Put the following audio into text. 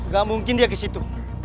gak mungkin dia ke situ